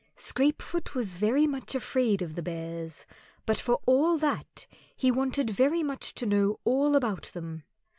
Scrapefoot was very much afraid of the Bears, but for all that he wanted very much to know all about them.